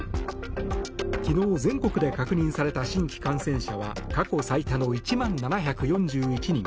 昨日、全国で確認された新規感染者は過去最多の１万７４１人。